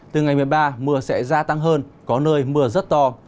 từ ngày một mươi ba mưa sẽ gia tăng hơn có nơi mưa rất to